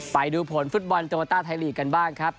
ไปดูผลฟุตบอลโตโมต้าไทยลีกกันบ้างครับ